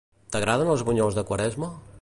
T'agraden els bunyols de Quaresma?